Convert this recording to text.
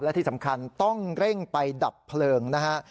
และที่สำคัญต้องเร่งไปดับเพลิงนะฮะ